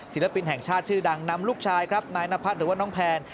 ศิลปินแห่งชาติชื่อดังนำลูกชายครับนายนพัฒน์หรือว่าน้องแพน